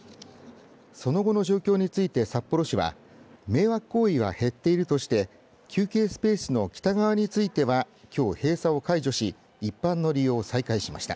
その後の状況について札幌市は迷惑行為は減っているとして休憩スペースの北側についてはきょう閉鎖を解除し一般の利用を再開しました。